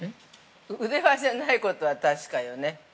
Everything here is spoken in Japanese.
◆腕輪じゃないことは確かよね。